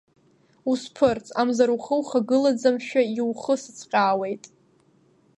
Усԥырҵ амзар ухы ухагылаӡамшәа иухысыцҟьаауеит!